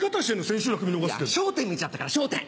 『笑点』見ちゃったから『笑点』。